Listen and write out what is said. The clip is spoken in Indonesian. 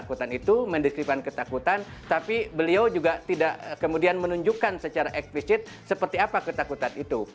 ketakutan itu mendiskripkan ketakutan tapi beliau juga tidak kemudian menunjukkan secara eksplisit seperti apa ketakutan itu